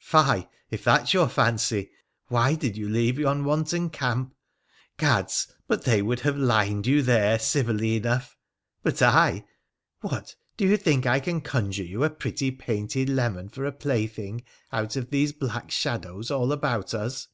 Fie 1 if that's your fancy, why did you leave yon wanton camp ? Gads ! but they would have lined you there civilly enough, but I What, do you think I can conjure you a pretty, painted leman for a plaything out of these black shadows all about us